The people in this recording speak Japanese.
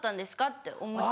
って思って。